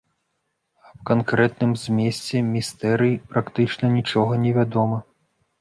Аб канкрэтным змесце містэрый практычна нічога не вядома.